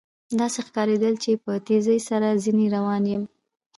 داسې ښکارېدل چې په تېزۍ سره ځنې روان یم.